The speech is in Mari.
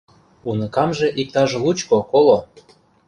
Уныкамже иктаж лучко-коло.